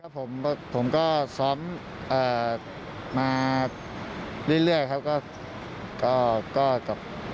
ผมก็ซ้อมมาเรื่อยครับ